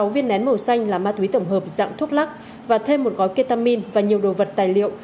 sáu viên nén màu xanh là ma túy tổng hợp dạng thuốc lắc và thêm một gói ketamin và nhiều đồ vật tài liệu